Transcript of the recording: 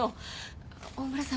大村さん